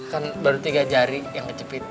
kan baru tiga jari yang kecepit